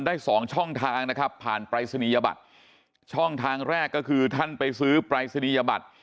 สองช่องทางนะครับผ่านปรายศนียบัตรช่องทางแรกก็คือท่านไปซื้อปรายศนียบัตร